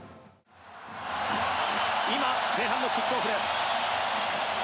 今前半のキックオフです。